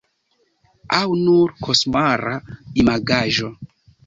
Aŭ nur koŝmara imagaĵo?